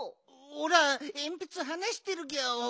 おらえんぴつはなしてるギャオ。